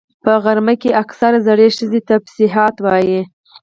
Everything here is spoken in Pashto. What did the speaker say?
په غرمه کې اکثره زړې ښځې تسبيحات وایي